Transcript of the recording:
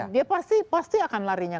dia pasti akan larinya